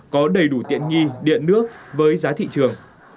có đầy đủ tiện nghi điện nước với giá thị trường